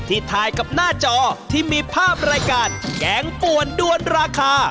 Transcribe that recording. ถ่ายกับหน้าจอที่มีภาพรายการแกงป่วนด้วนราคา